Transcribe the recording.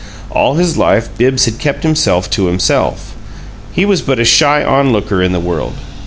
All his life Bibbs had kept himself to himself he was but a shy onlooker in the world.